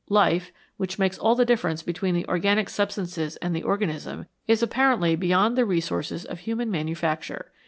Life, which makes all the difference between the organic substances and the organism, is apparently beyond the resources of human manufacture.